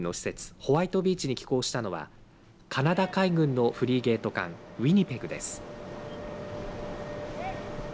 ホワイトビーチに寄港したのはカナダ海軍のフリゲート艦ウィニペグです。